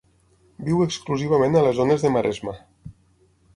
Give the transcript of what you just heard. Viu exclusivament a les zones de maresma.